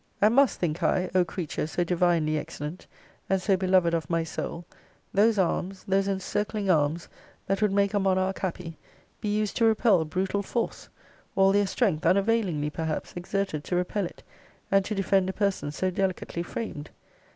And must, think I, O creature so divinely excellent, and so beloved of my soul, those arms, those encircling arms, that would make a monarch happy, be used to repel brutal force; all their strength, unavailingly perhaps, exerted to repel it, and to defend a person so delicately framed?